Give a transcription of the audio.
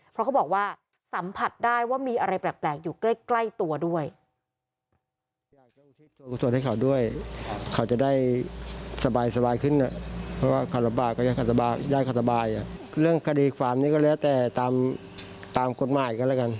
เพราะเขาบอกว่าสัมผัสได้ว่ามีอะไรแปลกอยู่ใกล้ตัวด้วย